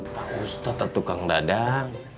pak ustadz tukang dadang